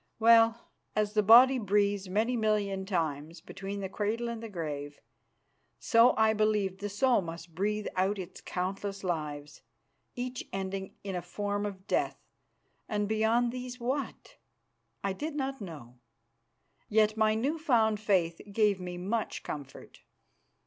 Well, as the body breathes many million times between the cradle and the grave, so I believed the soul must breathe out its countless lives, each ending in a form of death. And beyond these, what? I did not know, yet my new found faith gave me much comfort.